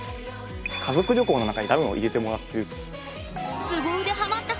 家族旅行の中にダムも入れてもらってる。